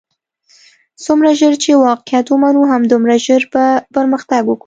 څومره ژر چې واقعیت ومنو همدومره ژر بۀ پرمختګ وکړو.